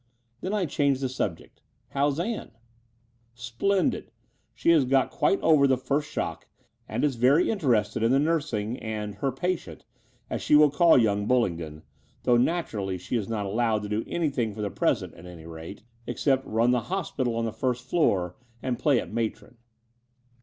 Then I changed the sub ject :" How's Ann ?" "Splendid. She has quite got over the first shock, and is very interested in the nursing and 'her patient,' as she will call .young Bullingdon, though, naturally, she is not allowed to do anything for the present at any rate, except Between London and Clymplng 123 run the 'hospital' on the first floor and play at matron."